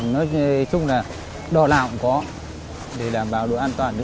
nói chung là đò nào cũng có để làm bảo đồ an toàn